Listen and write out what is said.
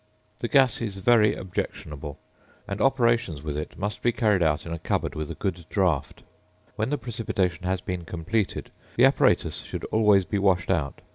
The gas is very objectionable, and operations with it must be carried out in a cupboard with a good draught. When the precipitation has been completed, the apparatus should always be washed out.